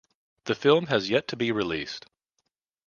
The film has yet to be released.